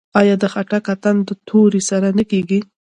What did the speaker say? آیا د خټک اتن د تورې سره نه کیږي؟